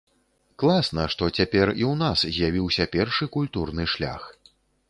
Класна, што цяпер і ў нас з'явіўся першы культурны шлях.